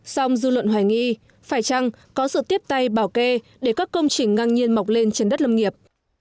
song dư luận hoài nghi phải chăng có sự tiếp tay bảo kê để các công trình ngang nhiên mọc lên trên đất lâm nghiệp